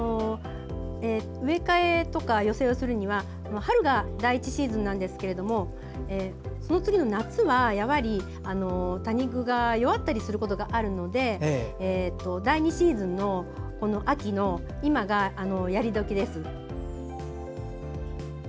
植え替えとか寄せ植えをするには春が第一シーズンなんですがその次の夏は、やはり多肉が弱ったりすることがあるので第２シーズンの秋の今がやりどきです。